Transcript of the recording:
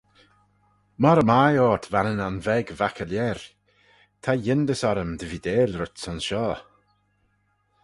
Moghrey mie ort, Vannanan veg vac y Leirr, ta yindys orrym dy veeteil rhyts aynshoh.